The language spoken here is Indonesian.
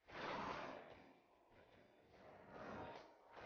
kayaknya pas queue itu udah tinham